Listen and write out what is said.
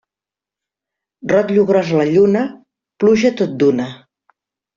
Rotllo gros a la lluna, pluja tot d'una.